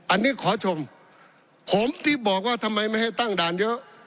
อันนี้ขอชมผมที่บอกว่าทำไมไม่ให้ตั้งด่านเยอะ